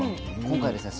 今回ですね